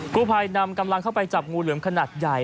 ผู้ภัยนำกำลังเข้าไปจับงูเหลือมขนาดใหญ่